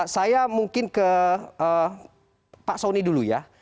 saya mungkin ke pak soni dulu ya